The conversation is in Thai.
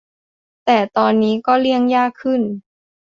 แต่ตอนนี้ก็เลี่ยงยากขึ้น